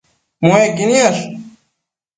Muequi niash